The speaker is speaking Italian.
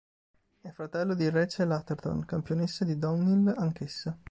È fratello di Rachel Atherton, campionessa di downhill anch'essa.